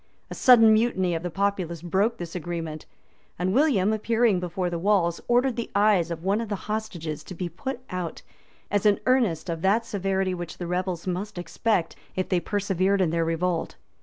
A sudden mutiny of the populace broke this agreement; and William, appearing before the walls, ordered the eyes of one of the hostages to be put out, as an earnest of that severity which the rebels must expect, if they persevered in their revolt.